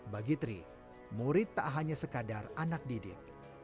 bagi tri murid tak hanya sekadar anak didik